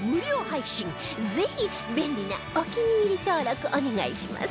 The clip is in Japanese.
ぜひ便利なお気に入り登録お願いします